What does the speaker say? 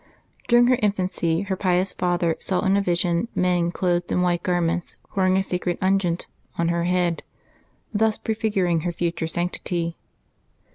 Dur ing her infanc}^ her pious father saw in a vision men clothed in white garments pouring a sacred unguent on her head, thus prefiguring her future sanctity.